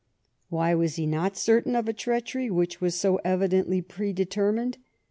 "Why was he not certain of a treachery which was so evidently predetermined?